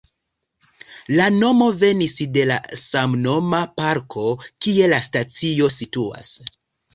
La nomo venis de la samnoma parko, kie la stacio situas.